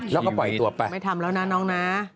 แล้วก็ปล่อยตัวไปไม่ทำแล้วนะน้องนะ